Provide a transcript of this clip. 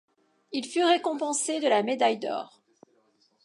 Il fut récompensé de la médaille d'or.